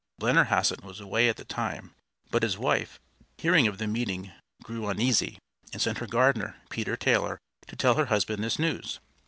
Blennerhassett was away at the time, but his wife, hearing of the meeting, grew uneasy, and sent her gardener, Peter Taylor, to tell her husband this news.